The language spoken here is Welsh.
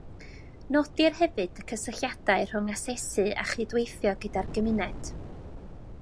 Nodir hefyd y cysylltiadau rhwng asesu a chydweithio gyda'r gymuned